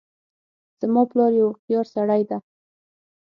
زما پلار یو هوښیارسړی ده